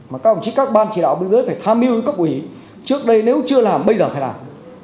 mà các bàn chỉ đạo biên giới phải tham mưu các quỷ trước đây nếu chưa làm bây giờ phải làm